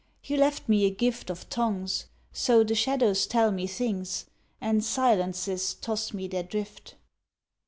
You left me a gift Of tongues, so the shadows tell Me things, and silences toss Me their drift.